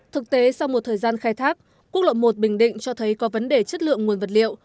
thực tế sau một thời gian khai thác quốc lộ một bình định cho thấy có vấn đề chất lượng nguồn vật liệu